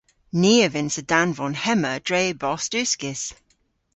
Ni a vynnsa danvon hemma dre bost uskis.